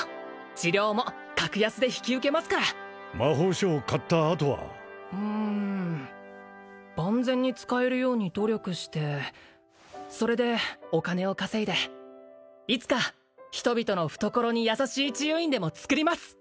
治療も格安で引き受けますから魔法書を買ったあとはうん万全に使えるように努力してそれでお金を稼いでいつか人々の懐に優しい治癒院でもつくります